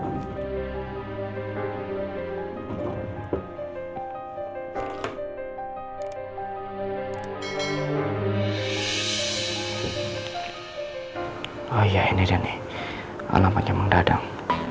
oh iya ini dia nih alamatnya mang radang